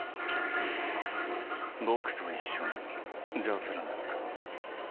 「僕と一緒にジャズらないか？」。